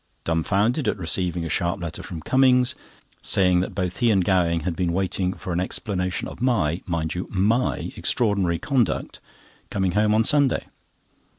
Dumfounded at receiving a sharp letter from Cummings, saying that both he and Gowing had been waiting for an explanation of my (mind you, MY) extraordinary conduct coming home on Sunday.